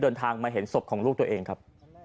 เดินทางมาเห็นศพของลูกตัวเองครับ